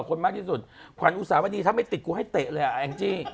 กันมากที่สุดความอุสาวดีทำไอ้ติดกูให้เตะเลยอ่ะ